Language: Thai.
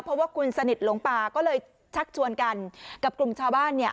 เพราะว่าคุณสนิทหลงป่าก็เลยชักชวนกันกับกลุ่มชาวบ้านเนี่ย